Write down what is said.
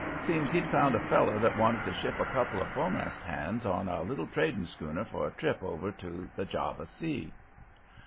Seems he'd found a feller that wanted to ship a couple of fo'mast hands on a little trading schooner for a trip over to the Java Sea.